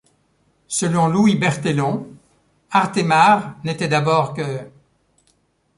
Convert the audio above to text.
Selon Louis Berthelon, Artemare n'était d'abord qu'.